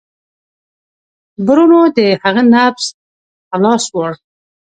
برونو د هغه نبض ته لاس ووړ.